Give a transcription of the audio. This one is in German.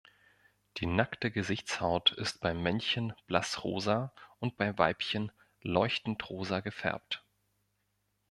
Die nackte Gesichtshaut ist bei Männchen blassrosa und bei Weibchen leuchtend-rosa gefärbt.